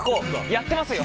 やってますよ！